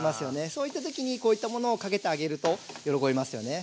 そういった時にこういったものをかけてあげると喜びますよね。